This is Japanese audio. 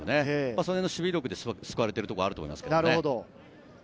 その守備力で救われているところが多いと思います。